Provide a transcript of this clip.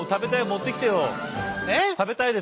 持ってきて。